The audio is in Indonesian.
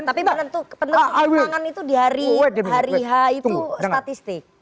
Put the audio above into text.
tapi menentukan kekembangan itu di hari h itu statistik